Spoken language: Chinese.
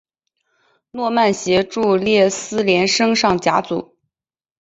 诺曼协助列斯联升上甲组。